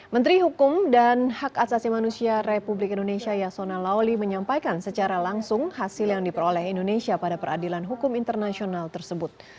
menteri hukum dan hak asasi manusia republik indonesia yasona lawli menyampaikan secara langsung hasil yang diperoleh indonesia pada peradilan hukum internasional tersebut